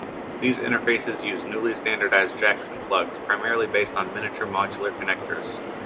These interfaces used newly standardized jacks and plugs, primarily based on miniature modular connectors.